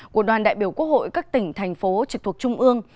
của đoàn đại biểu quốc hội các tỉnh thành phố trực thuộc trung ương